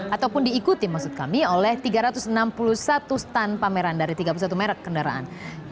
ataupun diikuti maksud kami oleh tiga ratus enam puluh satu stand pameran dari tiga puluh satu merek kendaraan